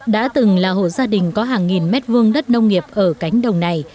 đã từng là hộ gia đình có hàng nghìn mét vuông đất nông nghiệp ở cánh đồng này